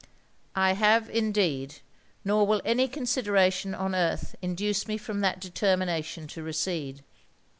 'I have indeed! Nor will any consideration on earth induce me from that determination to recede.'